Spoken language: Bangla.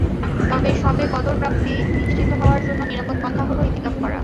তবে শবে কদর প্রাপ্তি নিশ্চিত হওয়ার জন্য নিরাপদ পন্থা হলো ইতিকাফ করা।